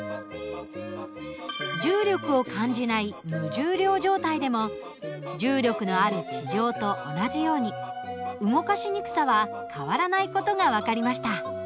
重力を感じない無重量状態でも重力のある地上と同じように動かしにくさは変わらない事が分かりました。